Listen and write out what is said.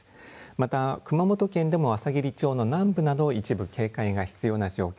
また熊本県でもあさぎり町の南部など、一部警戒が必要な状況